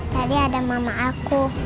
tadi ada mama aku